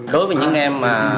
đối với những em